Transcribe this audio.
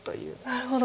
なるほど。